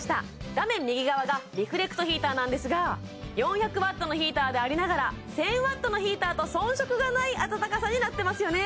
画面右側がリフレクトヒーターなんですが４００Ｗのヒーターでありながら１０００Ｗのヒーターと遜色がないあたたかさになってますよね